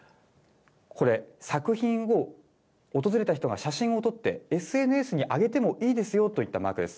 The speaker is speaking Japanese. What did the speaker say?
これ、作品を訪れた人が写真を撮って、ＳＮＳに上げてもいいですよといったマークです。